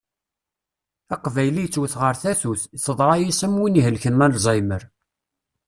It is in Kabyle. Aqbayli yettwet ɣer tkatut, teḍṛa-as am win ihelken alzaymer.